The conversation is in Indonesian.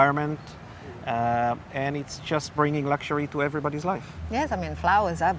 dan meningkatkan alam sekitar mereka dan itu hanya membawa kemampuan ke hidup semua orang